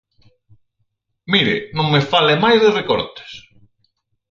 Mire, non me fale máis de recortes.